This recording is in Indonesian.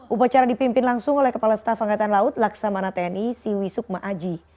upacara dipimpin langsung oleh kepala staf angkatan laut laksamana tni siwisuk ma'aji